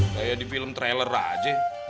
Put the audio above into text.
kayak di film trailer aja